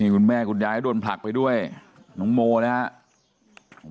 นี่คุณแม่คุณยายก็โดนผักไปด้วยน้องโมนะครับ